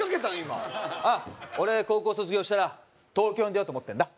今ああ俺高校卒業したら東京に出ようと思ってんだ